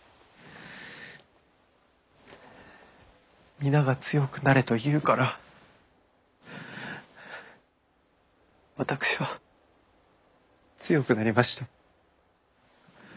皆が強くなれと言うから私は強くなりました。